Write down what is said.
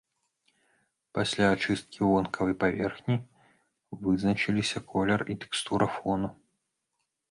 Пасля ачысткі вонкавай паверхні вызначаліся колер і тэкстура фону.